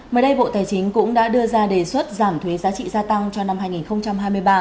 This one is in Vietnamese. mới đây bộ tài chính cũng đã đưa ra đề xuất giảm thuế giá trị gia tăng cho năm hai nghìn hai mươi ba